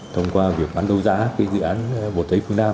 thông qua việc bán đấu giá cái dự án bộ thuế phương nam